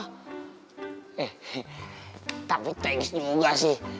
eh tapi tegis juga sih